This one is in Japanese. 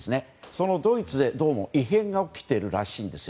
そのドイツで、どうも異変が起きているらしいんです。